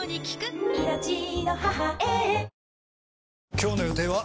今日の予定は？